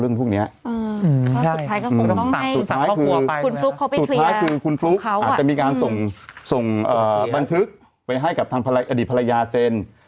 อ๋อนี่ไงตาก็ทุบด้วยเธอ